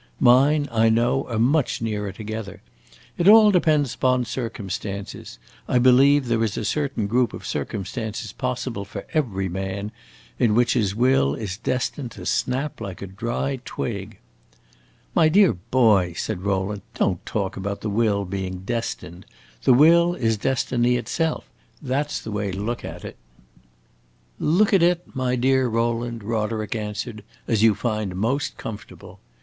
Mine, I know, are much nearer together. It all depends upon circumstances. I believe there is a certain group of circumstances possible for every man, in which his will is destined to snap like a dry twig." "My dear boy," said Rowland, "don't talk about the will being 'destined.' The will is destiny itself. That 's the way to look at it." "Look at it, my dear Rowland," Roderick answered, "as you find most comfortable.